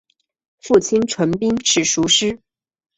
父亲陈彬是塾师。